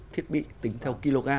thiết bị tính theo kg